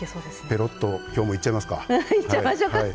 ぺろっと今日もいっちゃいますか。